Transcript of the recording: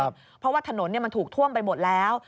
เพราะว่าถนนมันถูกท่วมไปหมดแล้ว